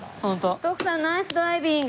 徳さんナイスドライビング。